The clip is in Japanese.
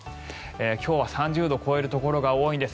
今日は３０度を超えるところが多いんです。